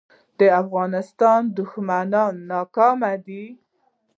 د افغانستان دښمنان ناکام دي